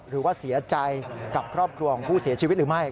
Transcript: หรือว่าเสียใจกับครอบครัวของผู้เสียชีวิตหรือไม่